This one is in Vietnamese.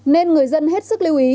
nên người dân hết sức lưu ý